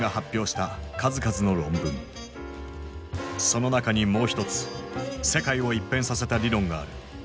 その中にもう一つ世界を一変させた理論がある。